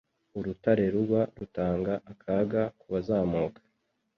Urutare rugwa rutanga akaga kubazamuka.